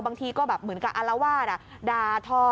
บางทีก็แบบเหมือนกับอารวาสด่าทอ